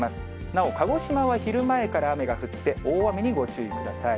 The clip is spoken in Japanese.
なお鹿児島は昼前から雨が降って、大雨にご注意ください。